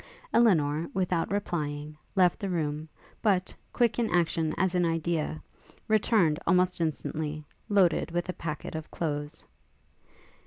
Elinor, without replying, left the room; but, quick in action as in idea, returned, almost instantly, loaded with a packet of clothes.